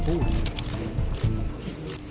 ขอบคุณทุกคน